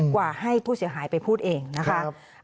กว่าให้ผู้เสียหายไปพูดเองนะคะ